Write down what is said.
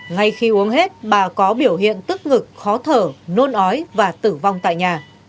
ngay khi uống hết bà có biểu hiện tức ngực khó thở nôn ói và tử vong tại nhà